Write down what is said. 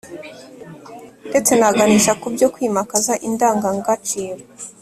ndetse na ganisha ku byo kwimakaza indangangaciro